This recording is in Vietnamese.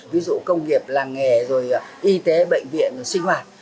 ví dụ công nghiệp làng nghề y tế bệnh viện sinh hoạt